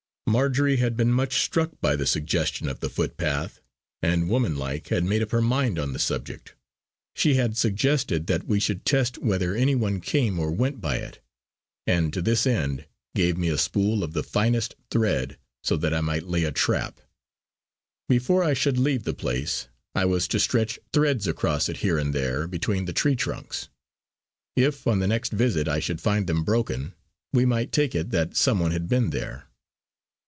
Marjory had been much struck by the suggestion of the footpath, and, woman like, had made up her mind on the subject. She had suggested that we should test whether any one came or went by it, and to this end gave me a spool of the finest thread so that I might lay a trap. Before I should leave the place I was to stretch threads across it here and there between the tree trunks. If on the next visit I should find them broken, we might take it that some one had been there.